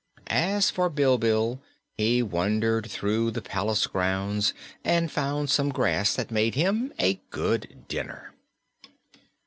As for Bilbil, he wandered through the palace grounds and found some grass that made him a good dinner.